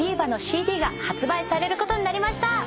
ＬＡＤＩＶＡのＣＤが発売されることになりました。